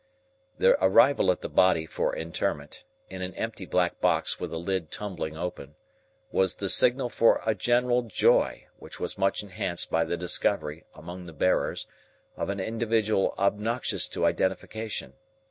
The arrival of the body for interment (in an empty black box with the lid tumbling open), was the signal for a general joy, which was much enhanced by the discovery, among the bearers, of an individual obnoxious to identification.